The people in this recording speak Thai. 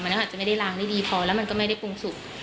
อาจจะไม่ได้ล้างได้ดีพอแล้วมันก็ไม่ได้ปรุงสุก